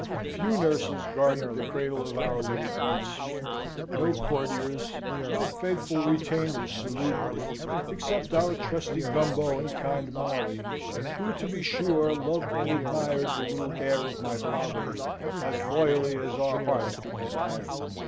Few nurses guarded the cradle of our little Prince; no courtiers, no faithful retainers saluted it, except our trusty Gumbo and kind Molly, who to be sure loved and admired the little heir of my poverty as loyally as our hearts could desire.